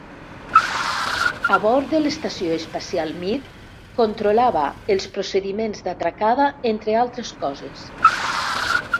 A bord de l'estació espacial Mir, controlava els procediments d'atracada entre altres coses.